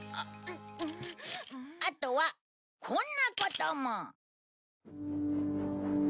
あとはこんなことも。